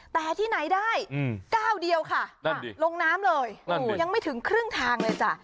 แต่ที่ไหนได้ก้าวเดียวค่ะนั่นดิลงน้ำเลยยังไม่ถึงครึ่งทางเลยจ้ะ